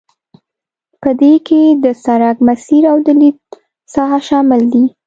په دې کې د سرک مسیر او د لید ساحه شامل دي